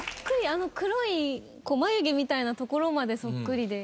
あの黒い眉毛みたいなところまでそっくりで。